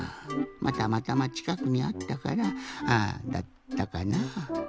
まぁたまたまちかくにあったからだったかな？